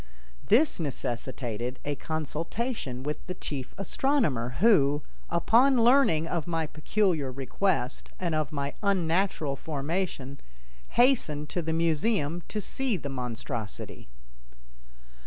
This necessitated a consultation with the chief astronomer who, upon learning of my peculiar request and of my unnatural formation, hastened to the museum to see the monstrosity.